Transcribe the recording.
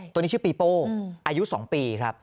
ตัวนี้ชื่อปีโป้อายุ๒ปีครับ